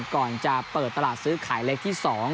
ก่อนจะเปิดตลาดซื้อขายเล็กที่๒